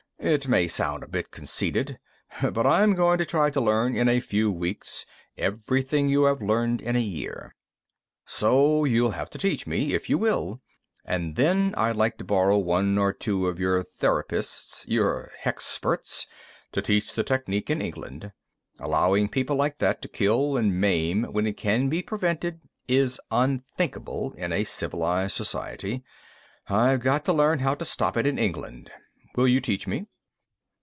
It may sound a bit conceited, but I'm going to try to learn in a few weeks everything you have learned in a year. So you'll have to teach me, if you will. And then I'd like to borrow one or two of your therapists, your hexperts, to teach the technique in England. "Allowing people like that to kill and maim when it can be prevented is unthinkable in a civilized society. I've got to learn how to stop it in England. Will you teach me?"